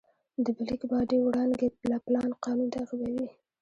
د بلیک باډي وړانګې پلانک قانون تعقیبوي.